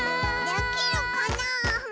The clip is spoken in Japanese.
できるかなぁ？